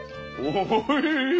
おいしい！